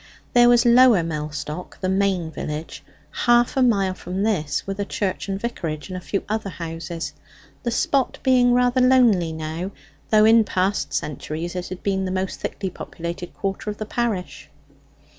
There was Lower Mellstock, the main village; half a mile from this were the church and vicarage, and a few other houses, the spot being rather lonely now, though in past centuries it had been the most thickly populated quarter of the parish.